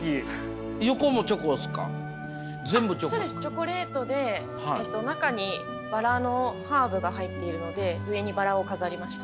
チョコレートで中にバラのハーブが入っているので上にバラを飾りました。